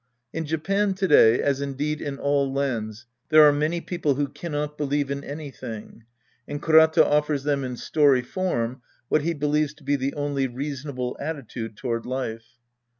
In Japan to day, as indeed in all lands, there are many people who can not believe in anything, and Kurata offers them in story form what he believes to be the only reasonable attitude toward life.